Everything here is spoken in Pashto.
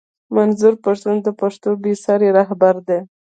منظور پښتون د پښتنو بې ساری رهبر دی